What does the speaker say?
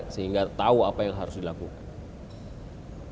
sehingga tahu apa yang harus dilakukan